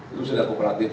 itu sudah kooperatif